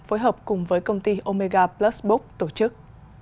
phối hợp cùng với công ty omega plus book tổ chức